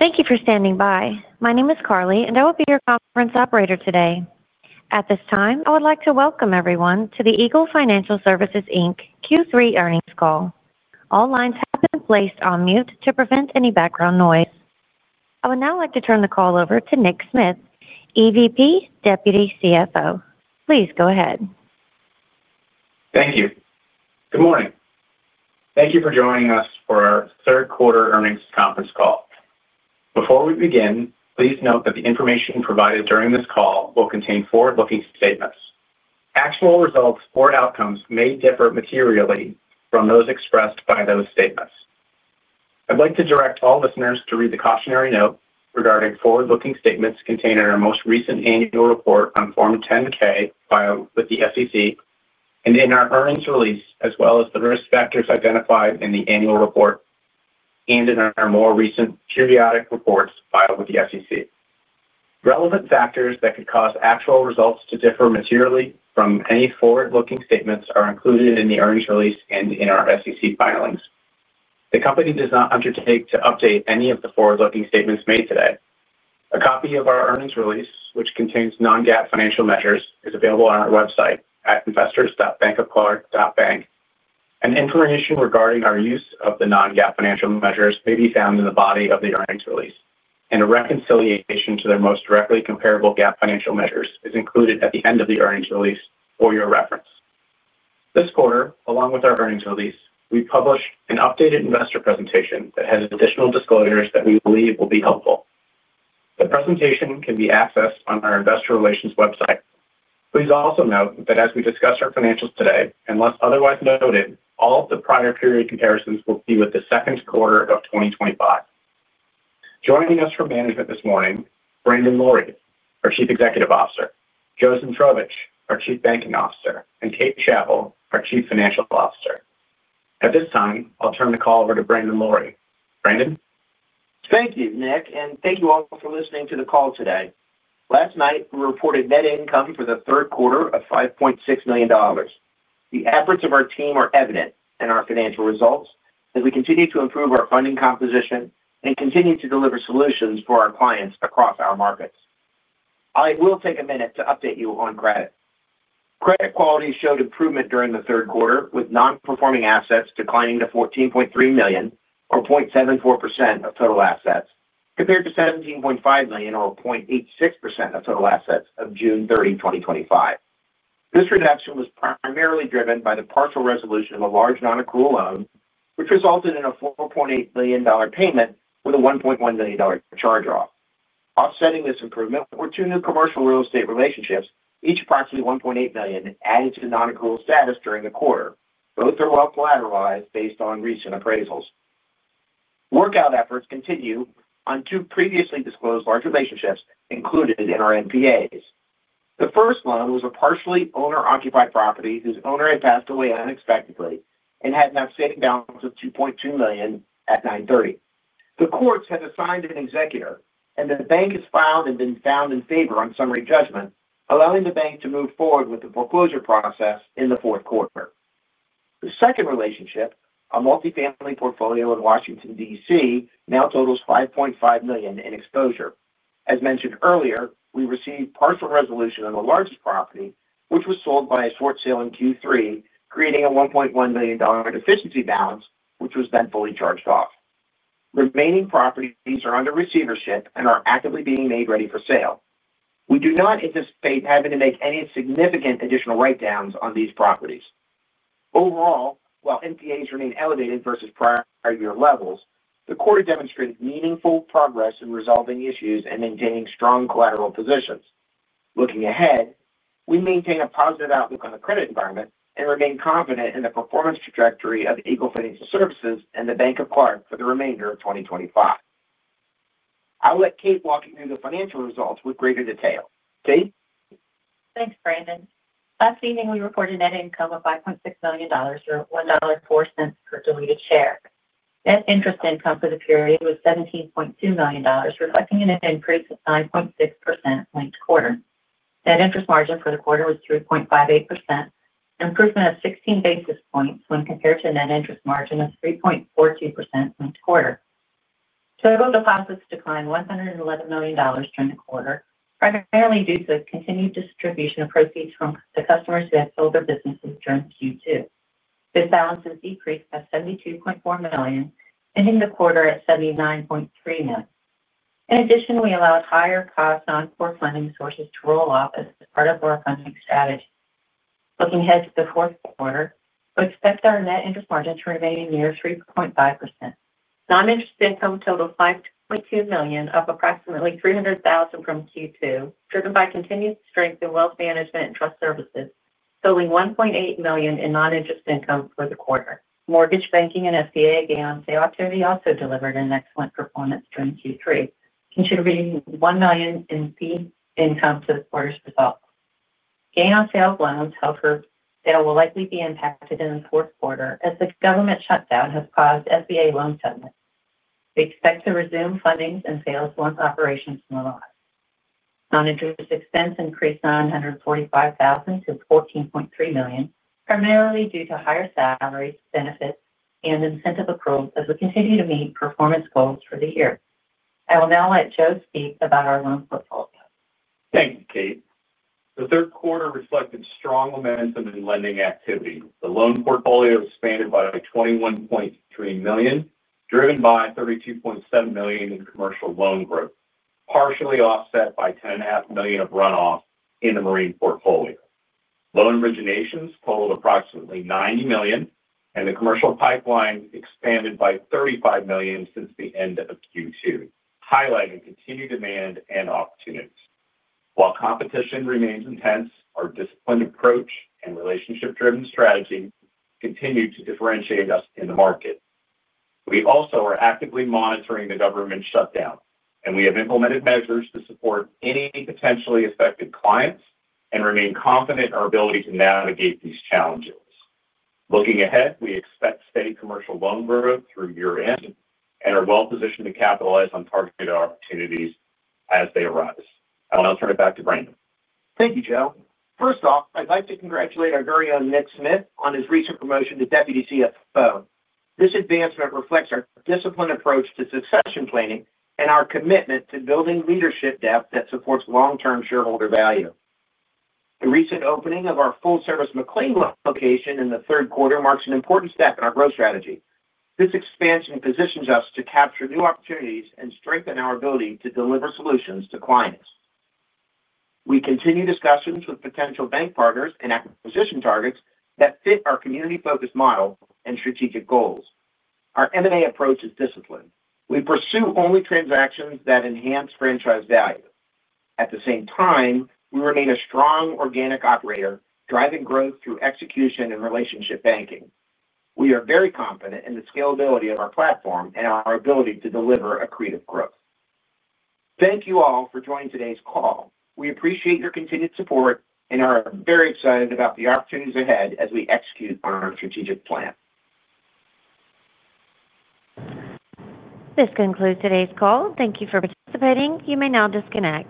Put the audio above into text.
Thank you for standing by. My name is Carly, and I will be your conference operator today. At this time, I would like to welcome everyone to the Eagle Financial Services Inc. Q3 earnings call. All lines have been placed on mute to prevent any background noise. I would now like to turn the call over to Nick Smith, Executive Vice President, Deputy Chief Financial Officer. Please go ahead. Thank you. Good morning. Thank you for joining us for our third quarter earnings conference call. Before we begin, please note that the information provided during this call will contain forward-looking statements. Actual results or outcomes may differ materially from those expressed by those statements. I would like to direct all listeners to read the cautionary note regarding forward-looking statements contained in our most recent annual report on Form 10-K filed with the SEC and in our earnings release, as well as the risk factors identified in the annual report and in our more recent periodic reports filed with the SEC. Relevant factors that could cause actual results to differ materially from any forward-looking statements are included in the earnings release and in our SEC filings. The company does not undertake to update any of the forward-looking statements made today. A copy of our earnings release, which contains non-GAAP financial measures, is available on our website at investors.eaglefinancialservices.com. Information regarding our use of the non-GAAP financial measures may be found in the body of the earnings release. A reconciliation to their most directly comparable GAAP financial measures is included at the end of the earnings release for your reference. This quarter, along with our earnings release, we published an updated investor presentation that has additional disclosures that we believe will be helpful. The presentation can be accessed on our investor relations website. Please also note that as we discuss our financials today, unless otherwise noted, all of the prior period comparisons will be with the second quarter of 2025. Joining us from management this morning, Brandon Laurie, our Chief Executive Officer, Joseph Zmitrovich, our Chief Banking Officer, and Kate Chappel, our Chief Financial Officer. At this time, I will turn the call over to Brandon Laurie. Brandon? Thank you, Nick, and thank you all for listening to the call today. Last night, we reported net income for the third quarter of $5.6 million. The efforts of our team are evident in our financial results as we continue to improve our funding composition and continue to deliver solutions for our clients across our markets. I will take a minute to update you on credit. Credit quality showed improvement during the third quarter, with non-performing assets declining to $14.3 million, or 0.74% of total assets, compared to $17.5 million, or 0.86% of total assets as of June 30, 2025. This reduction was primarily driven by the partial resolution of a large non-accrual loan, which resulted in a $4.8 million payment with a $1.1 million charge-off. Offsetting this improvement were two new commercial real estate relationships, each approximately $1.8 million, added to the non-accrual status during the quarter. Both are well collateralized based on recent appraisals. Workout efforts continue on two previously disclosed large relationships included in our non-performing assets. The first loan was a partially owner-occupied property whose owner had passed away unexpectedly and had an outstanding balance of $2.2 million at 9/30. The courts have assigned an executor, and the bank has filed and been found in favor on summary judgment, allowing the bank to move forward with the foreclosure process in the fourth quarter. The second relationship, a multifamily portfolio in Washington, DC, now totals $5.5 million in exposure. As mentioned earlier, we received partial resolution on the largest property, which was sold by a short sale in Q3, creating a $1.1 million deficiency balance, which was then fully charged off. Remaining properties are under receivership and are actively being made ready for sale. We do not anticipate having to make any significant additional write-downs on these properties. Overall, while non-performing assets remain elevated versus prior year levels, the quarter demonstrated meaningful progress in resolving issues and maintaining strong collateral positions. Looking ahead, we maintain a positive outlook on the credit environment and remain confident in the performance trajectory of Eagle Financial Services and the Bank of Quality for the remainder of 2025. I'll let Kate walk you through the financial results with greater detail. Kate? Thanks, Brandon. Last evening, we reported net income of $5.6 million, or $1.04 per diluted share. Net interest income for the period was $17.2 million, reflecting an increase of 9.6% linked quarter. Net interest margin for the quarter was 3.58%, an improvement of 16 basis points when compared to a net interest margin of 3.42% linked quarter. Total deposits declined $111 million during the quarter, primarily due to the continued distribution of proceeds from the customers who had sold their businesses during Q2. This balance has decreased by $72.4 million, ending the quarter at $79.3 million. In addition, we allowed higher-cost non-core funding sources to roll off as part of our funding strategy. Looking ahead to the fourth quarter, we expect our net interest margin to remain near 3.5%. Non-interest income totaled $5.2 million, up approximately $300,000 from Q2, driven by continued strength in wealth management and trust services, totaling $1.8 million in non-interest income for the quarter. Mortgage banking and SBA gain on sale activity also delivered an excellent performance during Q3, contributing $1 million in fee income to the quarter's results. Gain on sales loans held for sale will likely be impacted in the fourth quarter as the government shutdown has paused SBA loan settlement. We expect to resume fundings and sales once operations normalize. Non-interest expense increased $945,000 to $14.3 million, primarily due to higher salaries, benefits, and incentive accruals as we continue to meet performance goals for the year. I will now let Joe speak about our loan portfolio. Thank you, Kate. The third quarter reflected strong momentum in lending activity. The loan portfolio expanded by $21.3 million, driven by $32.7 million in commercial loan growth, partially offset by $10.5 million of runoff in the marine portfolio. Loan originations totaled approximately $90 million, and the commercial pipeline expanded by $35 million since the end of Q2, highlighting continued demand and opportunities. While competition remains intense, our disciplined approach and relationship-driven strategy continue to differentiate us in the market. We also are actively monitoring the government shutdown, and we have implemented measures to support any potentially affected clients and remain confident in our ability to navigate these challenges. Looking ahead, we expect steady commercial loan growth through year-end and are well-positioned to capitalize on targeted opportunities as they arise. I'll now turn it back to Brandon. Thank you, Joe. First off, I'd like to congratulate our very own Nick Smith on his recent promotion to Deputy CFO. This advancement reflects our disciplined approach to succession planning and our commitment to building leadership depth that supports long-term shareholder value. The recent opening of our full-service McLean location in the third quarter marks an important step in our growth strategy. This expansion positions us to capture new opportunities and strengthen our ability to deliver solutions to clients. We continue discussions with potential bank partners and acquisition targets that fit our community-focused model and strategic goals. Our M&A approach is disciplined. We pursue only transactions that enhance franchise value. At the same time, we remain a strong organic operator, driving growth through execution and relationship banking. We are very confident in the scalability of our platform and our ability to deliver accretive growth. Thank you all for joining today's call. We appreciate your continued support and are very excited about the opportunities ahead as we execute on our strategic plan. This concludes today's call. Thank you for participating. You may now disconnect.